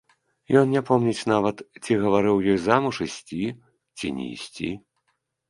Ён не помніць нават, ці гаварыў ёй замуж ісці, ці не ісці.